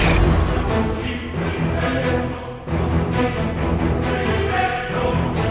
ini inginkan kejadianmu